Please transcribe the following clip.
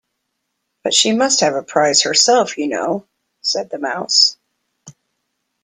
‘But she must have a prize herself, you know,’ said the Mouse.